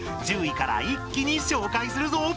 １０位から一気に紹介するぞ。